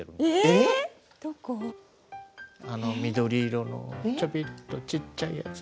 えっ⁉あの緑色のちょびっとちっちゃいやつ。